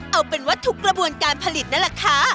เอาเป็นว่าทุกกระบวนการผลิตนั่นแหละค่ะ